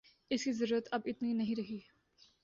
اس کی ضرورت اب اتنی نہیں رہی